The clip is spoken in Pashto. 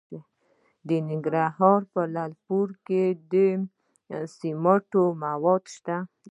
د ننګرهار په لعل پورې کې د سمنټو مواد شته.